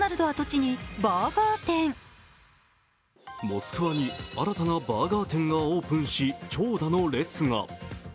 モスクワに新たなバーガー店がオープンし、長蛇の列が。